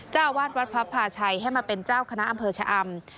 เจ้าอาวาสวัดพระพาชัยให้มาเป็นเจ้าคณะอำเภอชะอำ